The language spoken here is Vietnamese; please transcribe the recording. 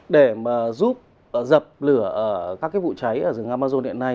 để mà giúp dập lửa các cái vụ cháy ở rừng amazon hiện nay